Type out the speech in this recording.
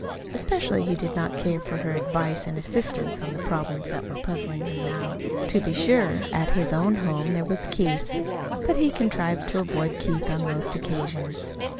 Especially he did not care for her advice and assistance on the problems that were puzzling him now. To be sure, at his own home there was Keith; but he contrived to avoid Keith on most occasions.